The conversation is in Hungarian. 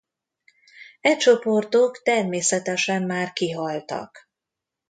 E csoportok természetesen már kihaltak.